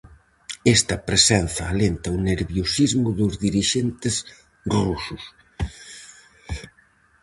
Esta presenza alenta o nerviosismo dos dirixentes rusos.